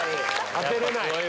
当てれない。